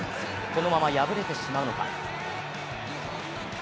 このまま敗れてしまうのか。